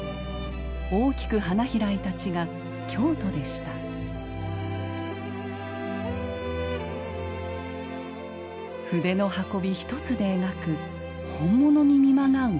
大きく花開いた地が京都でした筆の運び一つで描く本物に見まがう竹。